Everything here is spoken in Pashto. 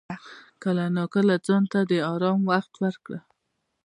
کله ناکله ځان ته د آرام وخت ورکړه.